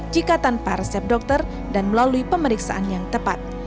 jika tanpa resep dokter dan melalui pemeriksaan yang tepat